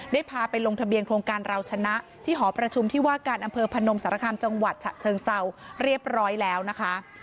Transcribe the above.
พาไปลงทะเบียนโครงการเราชนะที่หอประชุมที่ว่าการอำเภอพนมสารคามจังหวัดฉะเชิงเซาเรียบร้อยแล้วนะคะ